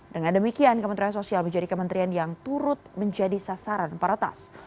dengan demikian kementerian sosial menjadi kementerian yang turut menjadi sasaran peretas